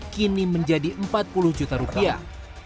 kini menjadi empat puluh juta rupiah